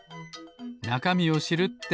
なかみを知るって。